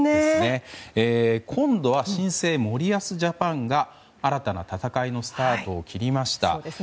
今度は新生森保ジャパンが新たな戦いのスタートを切りました。